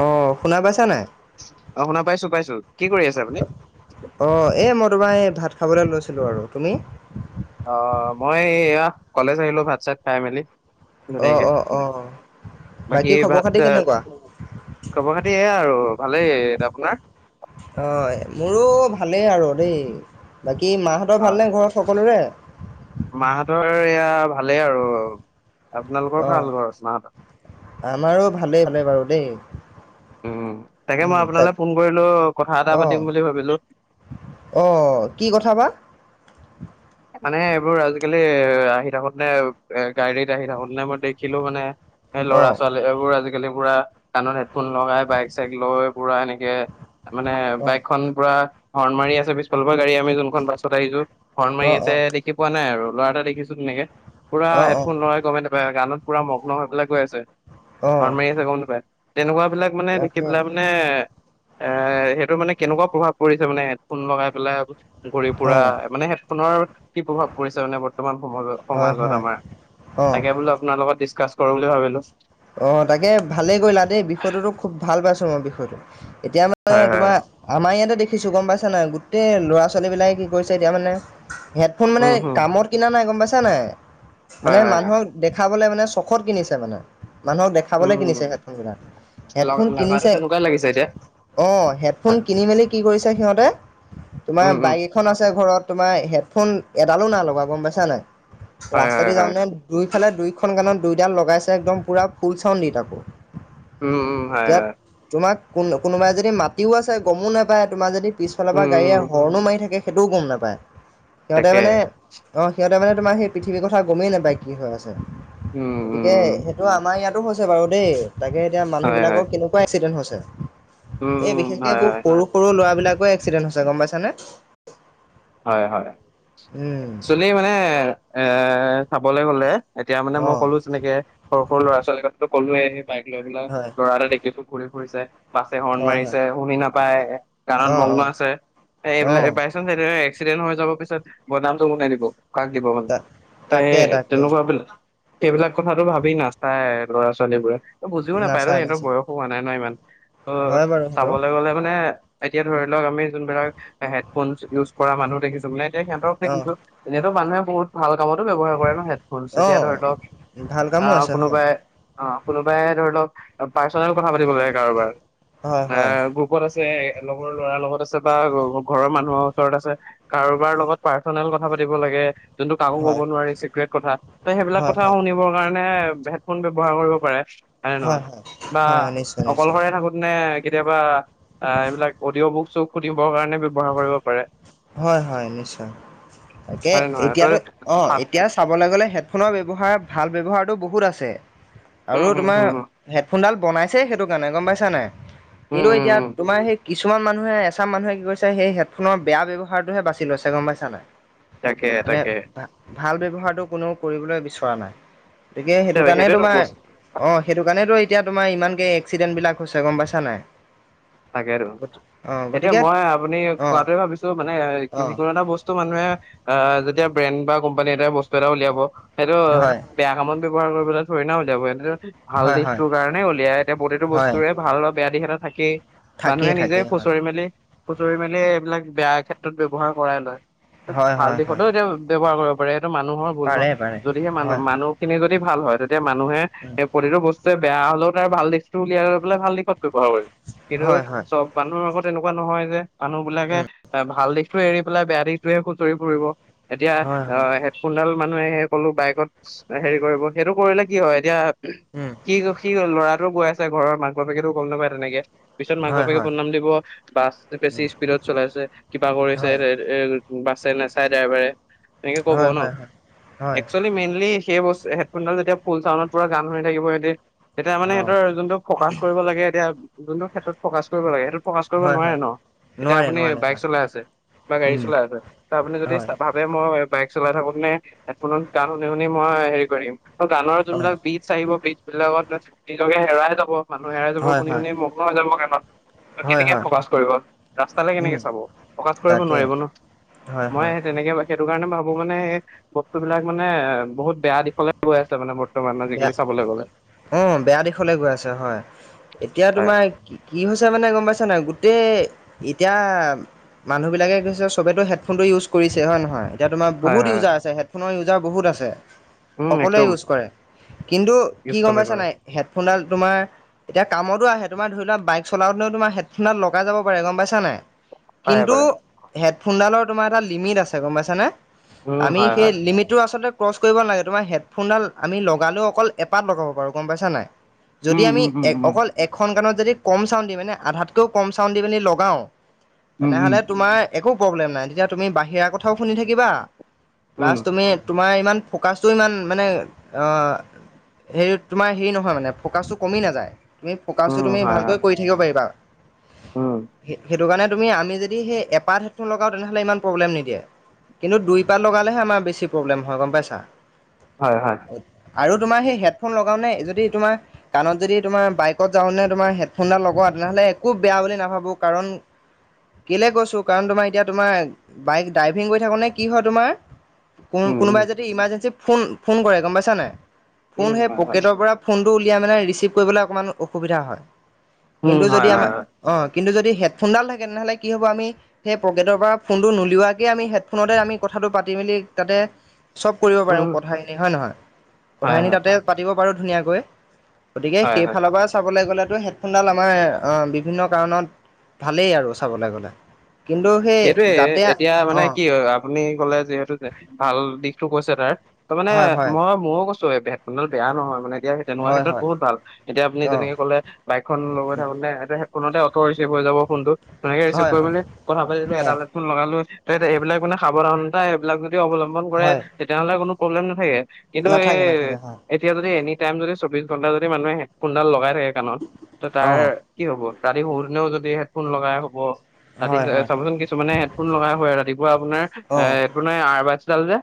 অ শুনা পাইছা নাই। অ শুনা পাইছো, পাইছো কি কৰি আছে আপুনি? অ এই মই তোমাৰ এই ভাত খাবলৈ লৈছিলোঁ আৰু তুমি? অ মই এয়া কলেজ আহিলো ভাত চাত খাই মেলি। অঁ অঁ [unintelligible] অঁ বাকি বাকী খবৰ ভাত খাতি কেনেকুৱা খবৰ খাতি এয়া আৰু ভালেই আপোনাৰ? [unintelligible] মোৰো ভালেই আৰু দেই বাকী মাহঁতৰ অ ভালনে ঘৰত সকলোৰে। মাহঁতৰ এইয়া ভালেই আৰু আপোনালোকৰ অঁ ভাল ঘৰত মা আমাৰো ভালেই ভালে [unintelligible] বাৰু দেই। উম, তাকে মই উম, তাক আপোনালৈ ফোন কৰিলো কথা এটা পাতিম বুলি ভাবিলো। অ কি কথা বা? মানে এইবোৰ আজিকালি আহি থাকোত [unintelligible] এ গাড়ীত আহি থাকোত নে মই দেখিলো মানে [unintelligible] ল'ৰা অঁ ছোৱালীবোৰ আজিকালি পুৰা কানত হেডফোন লগাই বাইক চাইক লৈ পুৰা এনেকে মানে অঁ বাইকখন পুৰা হৰ্ণ মাৰি আছে পিছফাল পা গাড়ী আমি যোনখন বাছত আহিছো। হৰ্ণ মাৰি অঁ আছে অঁ দেখি পোৱা নাই আৰু ল'ৰা এটা দেখিছো তেনেকে পুৰা অঁ অঁ হেডফোন গমে গানত পুৰা মগ্ন হৈবেলাক গৈ আছে অঁ হৰ্ণ মাৰি আছে গম নাপায় তেনেকুৱা বিলাক মানে দেখি তাকে পেলাই [unintelligible] এ সেইটো মানে কেনেকুৱা প্ৰভাৱ পৰিছে মানে হেডফোন লগাই পেলাই ঘূৰি পুৰা অঁ মানে হেডফোনৰ কি প্ৰভাৱ পৰিছে মানে ব বৰ্তমান সমাজ হয় সমাজত হয় আমাৰ অঁ তাকে আপোনাৰ লগত দিচকাছ কৰো বুলি ভাবিলো। অ তাকে ভালেই কৰিলা দেই বিষয়টোতো খুব ভাল পাইছো মই বিষয়টো এতিয়া মানে হয় হয় তোমাৰ আমাৰ ইয়াতে দেখিছো গম পাইছা [unintelligible] গোটেই ল'ৰা ছোৱালী বিলাকে কি কৰিছে এতিয়া মানে হেডফোন মানে উম হম কামত কিনা নাই গম পাইছে নাই হয় মানে হয় হয়। মানুহক দেখাবলে মানে চখত কিনিছে মানে মানুহক দেখা উম খাবলৈ উম কিনিছে হেডফোন দাল লগ হেডফোন লগাটো কিনিছে তেনেকুৱাই লাগিছে এতিয়া। অ হেডফোন হয় কিনি মেলি কি কৰিছে সিহঁতে তোমাৰ উম উম বাইক [unintelligible] আছে ঘৰত তোমাৰ হেডফোন এডালো না লগা গম পাইছা নাই হয় হয় ৰাস্তাদি যাওঁ হয় তেনে দুইফালে দুইখন কাণত দুইডাল লগাইছে একদম পূৰা ফুল চাউণ্ড দি তাকো। উম, উম হয়, এতিয়া হয়। তোমাক কোন কোনোবাই যদি মাতিও আছে গমো নাপায় তোমাৰ যদি পিছফালৰ পৰা উম গাড়ীয়ে উম হৰ্ণো মাৰি থাকে সেইটোও গম নাপায় সিহঁতে তাকে মানে। অ সিহঁতে মানে তোমাৰ সেই পৃথিৱীৰ কথা গমেই নাপায় কি হৈ আছে উম উম গতিকে। উম আমাৰ ইয়াতো হৈছে বাৰু দেই তাকে এতিয়া হয় হয় মানুহবিলাকৰ কেনেকুৱা এক্সিডেন্ট হৈছে। উম এই উম বিশেষকে হয় এইবোৰ হয় সৰু সৰু ল'ৰা বিলাকো এক্সিডেণ্ট হৈছে গম পাইছানে। হয় হয় উম একচোৱেলি মানে এ চাবলৈ গ'লে। এতিয়া মানে অ মই কলো যেনেকে সৰু সৰু লৰা ছোৱালী কথাটো কালোৱেই বাইক লৈ পেলাই হয় ল'ৰা এটা দেখিছো। ঘুৰি ফুৰিছে বাছে হৰ্ণ হয় হয় মাৰিছে শুনি নাপায়। গানত অ মগ্ন অ আছে অ এইবিলাক বাই চান্স এনে এক্সিডেণ্ট হৈ যাব পিছত বদামটো কোনে দিব। কাক দিব মানে তা তাকে সেই তাকে তেনেকুৱা বিলাক। সেইবিলাক কথাটো ভাবি নাচাই ল'ৰা ছোৱালীবোৰে বুজিও নাপায় ত নাচায় ইহঁত নাচায় বয়সো হোৱা নাই ন ইমান। ত হয় বাৰু সেইটো চাবলৈ গলে মানে এতিয়া ধৰি লওক আমি যোনবিলাক হেডফোন ইউজ। কৰা মানুহ দেখিছোঁ মানে এতিয়া সিহঁতক অ দেখিছো এনেই ত মানুহে বহু ভাল কামত ব্যৱহাৰ কৰে ন হেড। ফোন অ এতিয়া ধৰি লওক ভাল কামো আহ আছে হয় কোনোবাই। অ কোনোবাই ধৰি লক পাৰ্চনেল কথা পাতিব লাগে কাৰোবা হয় এ হয় গ্ৰুপ গ্ৰুপত আছে লগৰ ল'ৰাৰ লগত আছে বা ঘৰৰ মানুহৰ। ওচৰত আছে কাৰোবাৰ লগত পাৰ্চনেল কথা পাতিব লাগে। যোনটো কাকো ক'ব হয় নোৱাৰি চিক্ৰেট কথা ত সেইবিলাক হয় কথা হয় শুনিবৰ কাৰণে হেড ফোন ব্যৱহাৰ কৰিব পাৰে হয়নে হয় নহয় হয় বা হয় হয়, নিশ্চয় নিশ্চয় অকলশৰে থাকো তেনে কেতিয়াবা অ এইবিলাক অডিঅ' বুক চুক সুধিবৰ কাৰণে ব্যৱহাৰ কৰিব পাৰে। হয় হয় নিশ্চয় তাকে হয় নে নহয় এতিয়াতো তই অ ভাল এতিয়া চাব চাবলে গ'লে হেডফোনৰ ব্যৱহাৰ ভাল ব্যৱহাৰটো বহুত আছে উম আৰু উম তোমাৰ উম হেডফোন ডাল বনাইছেই সেইটো কাৰণে গম পাইছা নাই উম কিন্তু উম এতিয়া উম তোমাৰ সেই কিছুমান মানুহে এচাম মানুহে কি কৰিছে সেই হেডফোনৰ বেয়া ব্যৱহা হাৰটোহে বাচি লৈছে গম পাইছা নাই, তাকে মানে তাকে ভা ভাল ব্যৱহাৰটো কোনো কৰিবলৈ বিচৰা নাই গতিকে সেইটো কাৰণে সেইটোৱেতো তোমাৰ বস্তু অ সেইটো কাৰণেটো এতিয়া তোমাৰ ইমানকে এক্সিডেণ্ট বিলাক হৈছে গম পাইছা নাই? তাকেতো অঁ এতিয়া গতিকে মই আপুনি অঁ কোৱাটোৱে ভাবিছ ছো মানে অ', যিকোনো এটা বস্তু মানুহে আহ যেতিয়া ব্ৰেণ্ড বা কোম্পানী এটাই বস্তু এটা উলিয়াব সেইটো হয়, বেয়া কামত ব্যৱহাৰ কৰিবলৈ থৰি না উলিয়াব সেতিটো ভাল হয়, হয়, দিশটোৰ কাৰণে উলিয়াই এতিয়া প্ৰতিটো হয়, বস্তুৰে ভাল আও বেয়া দিশ এটা থাকেই মানুহে থাকেই নিজেই থাকেই হয়, খুচৰি মেলি খুচৰি মেলি এইবিলাক বেয়া ক্ষেত্ৰত ব্যৱহাৰ কৰাই লয় হয়, ভাল হয়, হয়, দিশতো এতিয়া ব্যৱহাৰ কৰিব কৰে সেটো মানুহৰ ভুল ন, পাৰে পাৰে, যদিহে হয়, মানুহ হয়, মানুহখিনি যদি ভাল হয় তেতিয়া মানুহে উম, প্ৰতিটো বস্তু টোৱে বেয়া হলেও তাৰ ভাল দিশটো উলিয়াই লৈ পেলাই ভাল দিশত ব্যৱহাৰ কৰিব, কিন্তু হয়, হয়, চব মানুহ আকৌ তেনেকুৱা নহয় যে মানুহ বিলাকে উম, এ ভাল দিশ টো এৰি পেলাই বেয়া দিশটোহে খুচৰি ফুৰিব এতিয়া হয়, হয়, অহ হেড ফোনডাল মানুহে সে কলো বাইকত হেৰি কৰিব সেইটো কৰিলে কি হয় এতিয়া উম কি হ'ল সি ল'ৰাটোও গৈ আছে ঘৰৰ মাক বাপেকেতো গম নাপায় তেনেকে পিছত মাক হয়, বাপেকে হয়, বদনাম দিব বা বেছি উম, স্পীডত চলাইছে কিবা কৰিছে হয়, এ বাছে নেচাই ড্ৰাইভাৰে তেনেকে ক'ব হয়, ন হয়, হয়, হয়, একচুৱেলি মেইনলি সেই বস্তু হেডফোনডাল যেতিয়া ফুল চাউণ্ডত পুৰা গান শুনি থাকিব সেতি তেতিয়া মানে অ', সিহঁতৰ যোনটো ফ'কাচ কৰিব লাগে এতিয়া যোনটো ক্ষেত্ৰত ফ'কাছ কৰিব লাগে এইটোত ফ'কাছ কৰিব হয়, নোৱাৰে হয়, ন এতিয়া নোৱাৰে আপুনি নোৱাৰে হয়, বাইক চলাই আছে। বা গাড়ী উম, চলাই আছে ত আপুনি যদি হয়, চা ভাব যে মই বাইক চলাই থাকোতেনে হেডফোনত গান শুনি শুনি মই হেৰি কৰিম ত গানৰ যোনবিলাক অ', বিট চাৰিব বীট বিলাকত নিজকে হেৰাই যাব মানুহ হেৰাই যাব হয়, শুনি হয়, শুনি মগ্ন হৈ যাব গানত ত হয়, কেনেকে হয়, ফকাচ কৰিব ৰাস্তালে উম, কেনেকে চাব ফকাচ কৰিব তাকে, নোৱাৰিব ন হয়, মই হয়, এ তেনেকে বাই সেইটো কাৰণে ম ভাবো মানে এই বস্তু বিলাক মানে এ বহুত বেয়া দিশলে গৈ আছে মানে বৰ বেয়া অ বেয়া দিশলে গৈ আছে হয় এতিয়া হয় তোমাৰ কি কি হৈছে মানে গম পাইছা নাই গোটেই এতিয়া মানুহবিলাকে কৈছে চবেতো হেডফোনটো ইউছ কৰিছে হয় নহয় এতিয়া তোমাৰ হয় বহুত হয় ইউজাৰ আছে হেডফোনৰ ইউজাৰ বহুত আছে উম সকলোৱে একদম ইউছ কৰে কিন্তু কি ইউজ গম চবে পাইছা কৰে নাই হেডফোনডাল তোমাৰ এতিয়া কামতো আহে তোমাৰ ধৰি লোৱা বাইক চলাওঁতেনে তোমাৰ হেডফোনডাল লগাই যাব পাৰে গম পাইছা নাই পাৰে কিন্তু কৰে হেডফোনডালৰ তোমাৰ এটা লিমিট আছে গম পাইছানে? উম আমি হয় সেই হয় লিমিটটো আচলতে ক্ৰচ কৰিব নালাগে তোমাৰ হেডফোনডাল আমি লগালেও অকল এপাত লগাব পাৰোঁ গম পাইছা নাই যদি উম আমি উম উম এক উম অকল এখন কানত যদি কম চাউণ্ড দি মানে আধাতকৈও কম চাউণ্ড দি পিনি লগাওঁ তেনেহ'লে উম তোমাৰ একো প্ৰব্লেম নাই তেতিয়া তুমি বাহিৰা কথাও শুনি থাকিবা প্লাছ উম উম তুমি তোমাৰ ইমান ফকাচটো ইমান মানে অ হেৰি তোমাৰ হেৰি নহয় মানে ফকাচটো কমি নাযায় তুমি ফ'কাচটো উম তুমি হয় ভালকৈ হয় কৰি থাকিব পাৰিবা উম হে সেইটো কাৰণে তুমি আমি যদি সেই এপাত হেডফোন লগাও তেনেহ'লে ইমান প্ৰব্লেম নিদিয়ে কিন্তু দুইপাত লগালেহে আমাৰ বেছি প্ৰব্লেম হয় গম পাইছা হয় হয় আৰু তোমাৰ সেই হেডফোন লগাওনে যদি তোমাৰ কাণত যদি তোমাৰ বাইকত যাওঁনে তোমাৰ হেডফোনডাল লগোৱা তেনেহ'লে একো বেয়া বুলি নাভাবো কাৰণ কেলে কৈছোঁ কাৰণ তোমাৰ এতিয়া তোমাৰ বাইক ড্ৰাইভিং কৰি থাকোনে কি হয় তোমাৰ কোন উম উম কোনোবাই যদি ইমাৰ্জেঞ্চি ফোন ফোন কৰে গম পাইছা নাই ফোন উম সেই হয় হয় পকেটৰ পৰা ফোনটো উলিয়াই মেলে ৰিচিভ কৰিবলৈ অকমান অসুবিধা হয় উম কিন্তু যদি হয় হয় আমাৰ হয় অঁ কিন্তু যদি হেডফোনডাল থাকে তেনেহ'লে কি হ'ব আমি সেই পকেটৰ পৰা ফোনটো নুলিৱাকে আমি হেডফোনতে আমি কথাটো পাতি মেলি তাতে চব কৰিব পাৰিম উম কথাখিনি হয় নহয় হয় কথাখিনি হয় তাতে পাতিব পাৰোঁ ধুনীয়াকৈ গতিকে হয় হয় সেইফালৰ পৰা চাবলৈ গ'লেতো হেডফোনডাল আমাৰ অ বিভিন্ন কাৰণত ভালেই আৰু চাবলে গ'লে কিন্তু সেই সেইটোয়ে যাতে এতিয়া মানে অঁ কি হয় আপ আপুনি ক'লে যিহেতু যে ভাল দিশটো কৈছে তাৰ ত মানে হয় হয় মই ময়ো কৈছ চু এ ভেডফোনডাল বেয়া নহয় মানে এতিয়া হেই তেনেকুৱা হয় ক্ষেত্ৰত হয় বহুত ভাল এতিয়া আপুনি অঁ তেনেকে ক'লে বাইকখন লগাই থাকোতে সেতু হেডফোনতে অটো ৰিচিভ হৈ ফোনটো তেনেকে ৰিচিভ হয় কৰি হয় মেলি কথা চিলোঁ হয় এডাল হেডফোন লগালো এইবিলাক মানে সাৱধানতা এইবিলাক যদি অৱলম্বন কৰে হয় তেতিয়াহলে কোনো প্ৰব্লেম নাথাকে কিন্তু নাথাকে নাথাকে হয় এ তিয়া যদি এনি টাইম যদি চৌবিশ ঘণ্টা যদি মানুহে হেডফোনডাল লগাই থাকে কাণত ত তাৰ অঁ কি হ'ব ৰাতি শুতেনেও যদি হেডফোন লগাই শুব ৰাতি হয় হয় চাবচোন কিছু মানে হেডফোন লগাই শুৱে ৰাতিপুৱা আপোনাৰ এ অঁ হেডফোনে আৰবাৰ্ডছডাল যে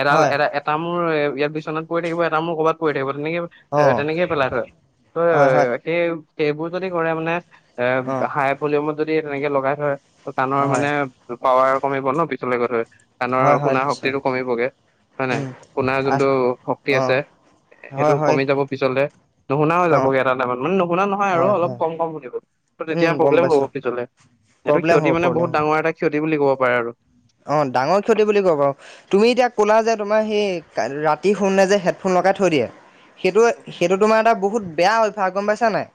এডাল হয় এটা এটা মূৰ ইয়াত বিচনাত পৰি থাকিব এটা মোৰ কৰবাত পৰি থাকিব তেনেকে অঁ তেনেকেই পেলাই থয় ত হয় হয় সেই সেইবোৰ যদি কৰে মানে এ অঁ হাই ভলিউমত যদি তেনেকে লগাই থয় ত কাণৰ হয় মানে পাৱাৰ কমিব ন পিছলৈ গ'লে। কাণৰ হয় হয় শুনাৰ নিশ্চয় শক্তিটো কমিবগে হয় নাই? শুনাৰ অঁ যোনটো শক্তি আছে সেইটো হয় হয় কমি যাব পিছলে নুশুনা হৈ অঁ যাবগে এটা টাইমত মানে নুশুনা নহয় আৰু হয় অলপ হয় কম কম শুনিব। ত উম তেতিয়া গম প্ৰব্লেম হ'ব পাইছোঁ পিছলে সেইটো প্ৰব্লেম হ'ব ক্ষতি মানে প্ৰব্লেম বহুত ডাঙৰ এটা ক্ষতি বুলি ক'ব পাৰে আৰু। অ ডাঙৰ ক্ষতি বুলি ক'ব। তুমি এতিয়া ক'লা যে তোমাৰ সেই ৰাতি শুনে যে হেডফোন লগাই থৈ দিয়ে। সেইটো সেইটো তোমাৰ এটা বহুত বেয়া অভ্যাস গম পাইছা নাই।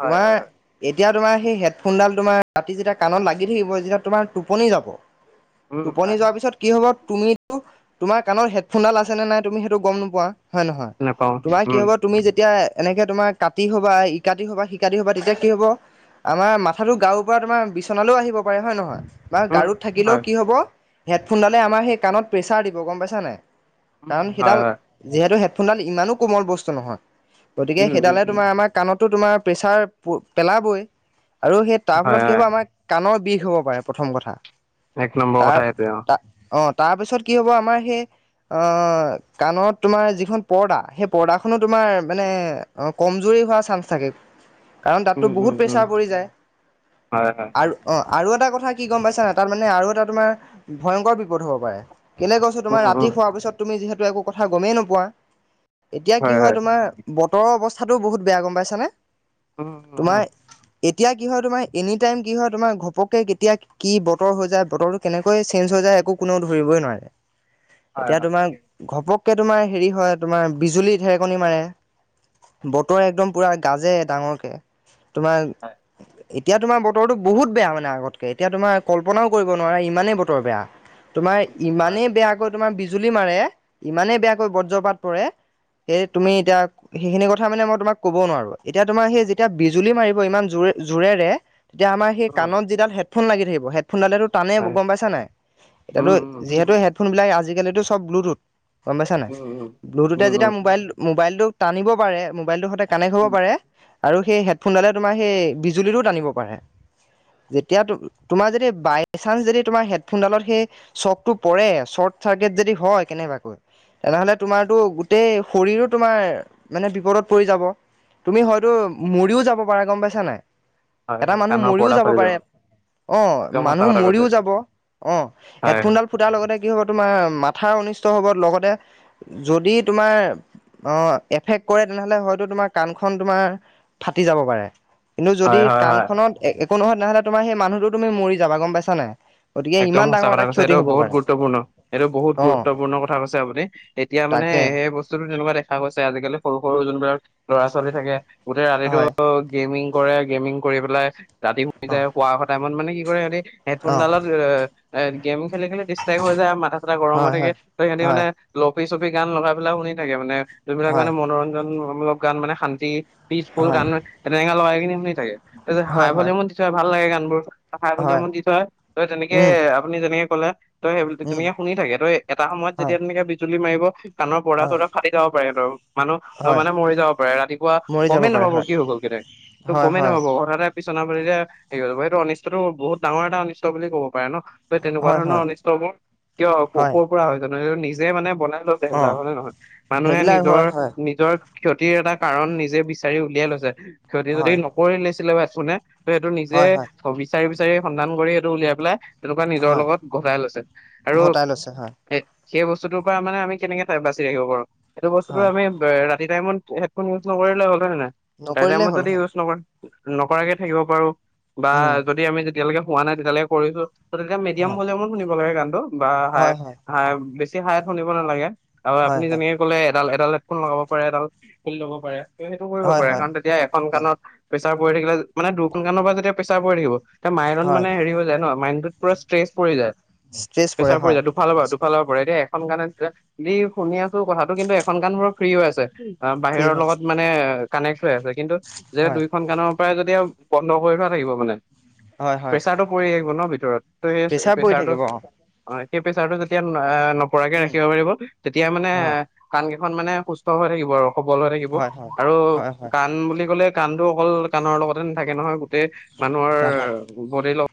হয় তোমাৰ হয় হয়। এতিয়া তোমাৰ সেই হেডফোনডাল তোমাৰ ৰাতি যেতিয়া কাণত লাগি থাকিব যেতিয়া তোমাৰ টোপনি যাব। উম টোপনি হয় যোৱাৰ পিছত কি হ'ব তুমিটো তোমাৰ কাণত হেডফোনডাল আছে নে নাই তুমি সেইটো গম নোপোৱা। হয় নহয়? নাপাওঁ তোমাৰ কি উম হ'ব তুমি যেতিয়া এনেকে তোমাৰ কাটি হ'বা ইকাটি হ'বা সিকাটি হ'বা তেতিয়া কি হ'ব আমাৰ মাথাটো গাৰু পৰা তোমাৰ বিচনালৈও আহিব পাৰে হয় নহয়। বা উম গাৰুত থাকিলেও হয় কি হব হেডফোনডালে আমাৰ সেই কাণত প্ৰেছাৰ দিব গম পাইছা নাই। উম কাৰণ হয় সেইডাল হয় যিহেতু হেডফোনডাল ইমানো কোমল বস্তু নহয় গতিকে উম উম সেইডালে উম। তোমাৰ আমাক কাণতো তোমাৰ প্ৰেছাৰ পেলাবই আৰু সেই তাৰ হয় ফলত কি হ'ব হয় আমাৰ কাণৰ বিষ হ'ব পাৰে প্ৰথম কথা। এক নম্বৰ কথা তাৰ সেইটোৱে অ তা অ তাৰপিছত কি হ'ব আমাৰ সে অ কাণত তোমাৰ যিখন পৰ্দা সেই পৰ্দাখনো তোমাৰ মানে অ কমজুৰি হোৱাৰ চান্স থাকে। [inaudible] কাৰণ তাতটো উম বহুত উম প্ৰেছাৰ পৰি যায় হয় হয় আৰ অ আৰু এটা কথা কি গম পাইছানে তাত মানে আৰু এটা তোমাৰ ভয়ংকৰ বিপদ হ'ব পাৰে। কেলে কৈছো উম তোমাৰ ৰাতি উম। শোৱাৰ পিছত তুমি যিহেতু একো কথা গমেই নোপোৱা এতিয়া কি হয় তোমাৰ বতৰৰ অৱস্থাটো বহুত বেয়া গম পাইছানে। উম উম তোমাৰ উম এতিয়া কি হয় তোমাই এনি টাইম কি হয় তোমাৰ ঘপকে কেতিয়া কি বতৰ হৈ যায় বতৰটো কেনেকৈ চেন্স হৈ যায় একো কোনেও নোৱাৰে। হয় এতিয়া হয় তোমাৰ ঘপকে তোমাৰ হেৰি হয় তোমাৰ বিজুলী ঢেৰেকণী মাৰে। বতৰ একদম পুৰা গাজে ডাঙৰকে। তোমাৰ হয় এতিয়া তোমাৰ বতৰতো বহুত বেয়া মানে আগতকে এতিয়া তোমাৰ কল্পনাও কৰিব নোৱাৰা ইমানেই বতৰ বেয়া। তোমাৰ হয়। ইমানেই বেয়া কৈ তোমাৰ বিজুলী মাৰে ইমানে বেয়াকৈ বজ্ৰপাত পৰে সেই তুমি হয়। এতিয়া সেইখিনি কথা মানে মই তোমাক ক'ব নোৱাৰো এতিয়া তোমাৰ সেই যেতিয়া বিজুলী মাৰিব ইমান জোৰে জোৰেৰে তেতিয়া আমাৰ সেই উম কাণত যিডাল হেডফোন লাগি থাকিব হেফোনডালেতো টানে হয় গম পাইছা নাই এইটো উম উম যিহেতু হেডফোনবিলাক আজিকালি চব ব্লুটুথ। গম পাইছা নাই উম উম। ব্লুটুথে উম যেতিয়া উম মোবাইল মোবাইলটোক টানিব পাৰে, মোবাইলটোৰ সতে কানেক্ট হ'ব উম। পাৰে আৰু সেই হেডফোনডালে তোমাৰ সেই বিজুলীটো টানিব পাৰে। যেতিয়া তো তোমাৰ যেতিয়া বাই চানঞ্চ যদি তোমাৰ হেডফোনডালত সেই চকটো পৰে চৰ্ট চাৰ্কিট যদি হয় কেনেবাকৈ তেনেহলে তোমাৰতো গোটেই শৰীৰো তোমাৰ মানে বিপদত পৰি যাব। তুমি হয়তো মৰিও যাব পাৰা গম পাইছা নাই। হয় এটা হয় মানুহ কাণৰ মৰিও পৰ্দা যাব ফালি পাৰে, অ। একদম সঁচা উম, কথা কৈছে মৰিয়ো যাব। অ'হেড হয় হয় ফোন ডাল ফুটাৰ লগতে কি হ'ব। তোমাৰ মাথাৰ অনিষ্ট হ'ব লগতে যদি তোমাৰ অ' এফেক্ট কৰে তেনেহ'লে হয়তো তোমাৰ কাণখন তোমাৰ ফাটি যাব পাৰে। কিন্তু, যদি হয় হয় হয়। কাণখনত একো নহয়। তেনেহ'লে তোমাৰ সেই মানুহটো তুমি মৰি যাবা গ'ম পাইছানে নাই। গতিকে একদম ইমান সঁচা ডাঙৰ কথা এটা কৈছে। ক্ষতি এইটো হ'ব বহুত পাৰে গুৰুত্বপূৰ্ণ, এইটো বহুত অ', গুৰুত্বপূৰ্ণ কথা কৈছে আপুনি। এতিয়া মানে তাকে সেই বস্তুটো তেনেকুৱা দেখ দেখা গৈছে আজিকালি সৰু সৰু যোনবিলাক ল'ৰা ছোৱালী থাকে গোটেই ৰাতিটো হয় গেমিং কৰে, গেমিং কৰি পেলাই ৰাতি শুই অ', যায়, শুৱা টাইমত মানে কি কৰে সিহঁতি অ', হেডফোনডালত এ গেম খেলি খেলি ডিষ্ট্ৰাইব হৈ যায়। মাথা চাথা গৰম হৈ হয়, থাকে হয়। তোৰ সিহঁতি হয়, মানে লফি চপি গান লগাই পেলাই শুনি থাকে মানে যোনবিলাক হয়, মানে মনোৰঞ্জন মূলক গান মানে শান্তি পিচফুল হয়, গান হেনেকা লগাই শুনি থাকে। হাই হয়, হয়, ভলিউমত দি থয় ভাল লাগে গানবোৰ হাই হয়, ভলিউমত দি থয় তোৰ তেনেকে উম, আপুনি যেনেকে ক'লে তোৰ সেই উম, তেনেকে শুনি থাকে। এটা সময়ত হয়, যেতিয়া তেনেকে বিজুলী মাৰিব কাণৰ পৰ্দা হয়, চৰ্দা ফাটি ফাটি যাব পাৰে বাৰু। মানুহ হয়, মানে মৰি যাব পাৰে ৰাতিপুৱা মৰি যাব গমেই পাৰে নাপাব হয়, কি গ'ল তোৰ হয়, গমেই হয়। নাপাব হঠাৎতে বিচনা ভৰিৰে যে হে হৈ যাব সেইটো অনিষ্টটো বহুত ডাঙৰ এটা অনিষ্ট বুলি ক'ব পাৰে ন তেনেকুৱা হয় ধৰণৰ হয় অনিষ্টবোৰ কিয় ক'ৰপৰা হয় জানোঁ নিজে মানে বনাই লৈ অ হেইবিলাক হয়নে নহয় মানুহে সেইবিলাক নিজৰ হয় হয় নিজৰ ক্ষতিৰ এটা কাৰন নিজে বিচাৰি উলিয়াই লৈছে ক্ষতি যদি হয় নকৰি লৈছিলে হেডফোনে তোৰ সেইটো নিজে হয় হয় বিচাৰি বিচাৰি সন্ধান কৰি সেইটো উলিয়াই পেলাই তেনেকুৱা নিজৰ হয় লগত গটাই লৈছে আৰু ঘটাই লৈছে হয় এই সেই বস্তুটোৰ পৰা মানে আমি কেনেকে বাচি ৰাখিব পাৰোঁ। সেইটো বস্তুটো হয় আমি ৰাতি টাইমত ইউজ নকৰিলে হ'ল হয়নে নহয়, নকৰিলেই টাইমত হ'ল যদি হয় ইউজ নকৰে নকৰাকে থাকিব পাৰোঁ বা উম যদি আমি যেতিয়ালৈকে শুৱা নাই তেতিয়ালৈকে কৰিছোঁ। তোৰ তেতিয়া মিডিয়াম হয় ভলিউমত শুনিব লাগে গানটো বা হাই হয় হয় হাই বেছি হাইত শুনিব নালাগে। আৰু হয় আপুনি যেনেকে ক'লে এডাল এডাল হেডফোন লগাব পাৰে এডাল খুলি ল'ব পাৰে। সেইটো হয় কৰিব হয় পাৰে। হয় কাৰণ তেতিয়া এখন অ কাণত প্ৰেছাৰ পৰি থাকিলে, মানে দুখন কাণৰ পৰা যেতিয়া প্ৰেছাৰ পৰি থাকিব। এটা মাইণ্ডত হয় মানে হেৰি হৈ যায় ন, মাইণ্ডতোত পৰা ষ্ট্ৰেছ পৰি যায়। ষ্ট্ৰেছ পৰে প্ৰেচাৰ পৰি হয় যায়। দুফালৰ পৰা দুফালৰ পৰা এতিয়া এখন কাণে যি যেতিয়া শুনি আছোঁ। কথাটো কিন্তু এখন কান মোৰ ফ্ৰী হৈ আছে। অ' ফ্ৰী বাহিৰৰ হয় লগত মানে কানেক্ট হৈ আছে। কিন্তু যে দুই হয় দুইখন কাণৰ পৰাই যেতিয়া বন্ধ কৰি থোৱা থাকিব মানে হয় হয় প্ৰেচাৰটো পৰি আহিব ন ভিতৰত। তোৰ হেই প্ৰেছাৰ পৰি প্ৰেচাৰটো থাকিব অ অ' সেই প্ৰেচাৰটো যেতিয়া নপৰাকে উম ৰাখিব পাৰিব। তেতিয়া মানে হয় কান গিখন মানে সুস্থ হৈ থাকিব আৰু সবল হৈ থাকিব হয় হয় আৰু হয় হয় কাণ বুলি ক'লে কাণটো অকল কাৰ লগতে নাথাকে নহয় গোটেই মানুহৰ নাথাকে বদি ল'ক